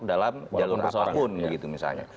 dalam jalur apapun